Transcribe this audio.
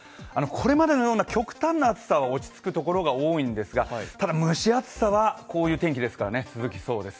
これまでのような極端な暑さは落ち着くところが多いですがただ蒸し暑さはこういう天気ですから続きそうです。